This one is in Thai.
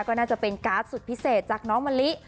ก็น่าจะเป็นการ์ดสุดพิเศษจากน้องมะลิ